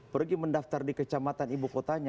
pergi mendaftar di kecamatan ibu kotanya